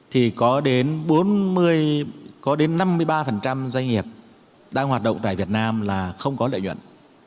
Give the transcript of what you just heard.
thì có đến năm mươi ba doanh nghiệp đang hoạt động tại việt nam là không có lợi nhuận